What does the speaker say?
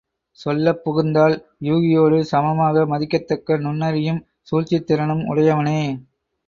சொல்லப் புகுந்தால், யூகியோடு சமமாக மதிக்கத்தக்க நுண்ணறியும் சூழ்ச்சித் திறனும் உடையவனே!